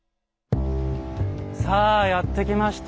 さあやって来ました